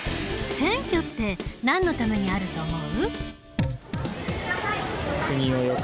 選挙ってなんのためにあると思う？